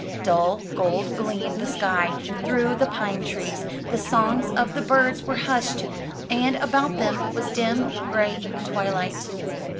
Dull gold gleamed the sky through the pine trees, the songs of the birds were hushed, and about them was dim, gray twilight.